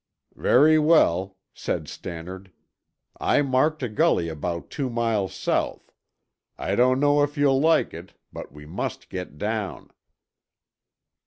"Very well," said Stannard. "I marked a gully about two miles south. I don't know if you'll like it, but we must get down."